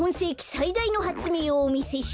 さいだいのはつめいをおみせします！